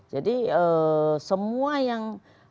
jadi semua yang